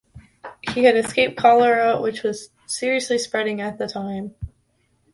He had escaped cholera which was seriously spreading at the time.